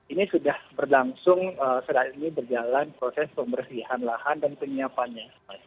ini sudah berlangsung sedang ini berjalan proses pembersihan lahan dan penyiapannya